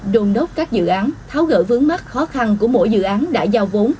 đồn đốc các dự án tháo gỡ vướng mắt khó khăn của mỗi dự án đã giao vốn